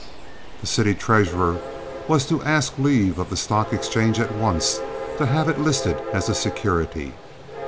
The city treasurer was to ask leave of the stock exchange at once to have it listed as a security.